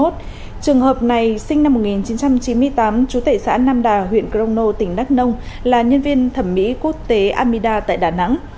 trường hợp này sinh năm một nghìn chín trăm chín mươi tám chú tệ xã nam đà huyện crono tỉnh đắk nông là nhân viên thẩm mỹ quốc tế amida tại đà nẵng